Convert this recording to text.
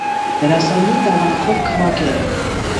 Դերասանուհին դավանանքով քվակեր է։